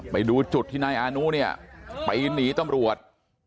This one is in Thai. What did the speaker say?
ไปดูจุดที่ในอรุณเนี่ยไปหนีต้มรวจ